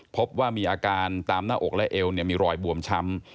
พบว่ามีอาการตามหน้าอกและเอวมีรอยบวมช้ำ